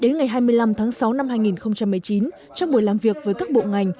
đến ngày hai mươi năm tháng sáu năm hai nghìn một mươi chín trong buổi làm việc với các bộ ngành